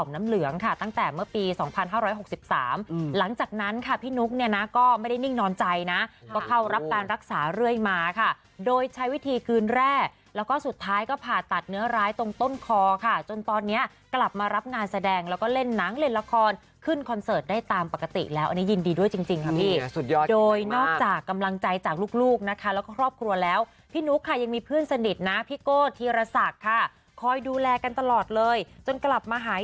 นุ๊กเนี่ยนะก็ไม่ได้นิ่งนอนใจนะเพราะเขารับการรักษาเรื่อยมาค่ะโดยใช้วิธีคืนแร่แล้วก็สุดท้ายก็ผ่าตัดเนื้อร้ายตรงต้นคอค่ะจนตอนเนี้ยกลับมารับงานแสดงแล้วก็เล่นหนังเล่นละครขึ้นคอนเสิร์ตได้ตามปกติแล้วอันนี้ยินดีด้วยจริงจริงครับพี่สุดยอดโดยนอกจากกำลังใจจากลูกลูกนะคะแล้วก็ครอบ